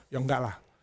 ya nggak lah